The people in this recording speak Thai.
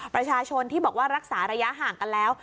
ประชาชนที่บอกว่ารักษาระยะห่างกันแล้ว